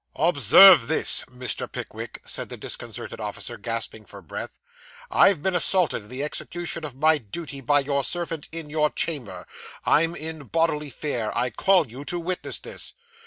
'Observe this, Mr. Pickwick,' said the disconcerted officer, gasping for breath. 'I've been assaulted in the execution of my dooty by your servant in your chamber. I'm in bodily fear. I call you to witness this.